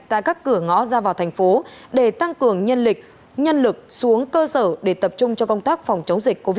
tại các cửa ngõ ra vào thành phố để tăng cường nhân lực nhân lực xuống cơ sở để tập trung cho công tác phòng chống dịch covid một mươi chín